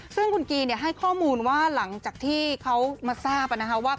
ซึ่งคุณกีให้ข้อมูลว่าหลังจากที่เขามาทราบนะคะว่า